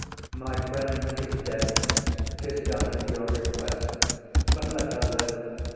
IAGO. My friend is dead. ’Tis done at your request. But let her live.